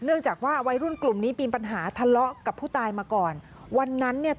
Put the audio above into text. จากว่าวัยรุ่นกลุ่มนี้มีปัญหาทะเลาะกับผู้ตายมาก่อนวันนั้นเนี่ย